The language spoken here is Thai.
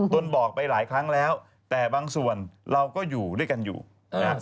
ตนบอกไปหลายครั้งแล้วแต่บางส่วนเราก็อยู่ด้วยกันอยู่นะครับ